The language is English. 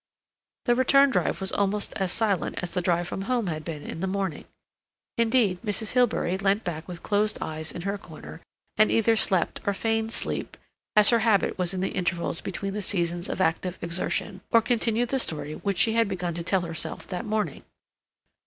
The return drive was almost as silent as the drive from home had been in the morning; indeed, Mrs. Hilbery leant back with closed eyes in her corner, and either slept or feigned sleep, as her habit was in the intervals between the seasons of active exertion, or continued the story which she had begun to tell herself that morning.